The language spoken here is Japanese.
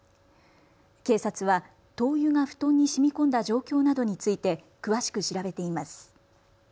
警察は灯油が布団にしみこんだ状況などについて詳しく調べています。